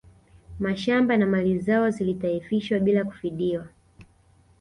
Mashamba na mali zao zilitaifishwa bila kufidiwa